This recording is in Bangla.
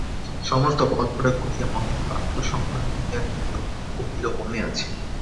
সমস্ত বলপ্রয়োগ করিয়া মহেন্দ্র আত্মসংবরণ করিয়া লইল–কহিল, মনে আছে।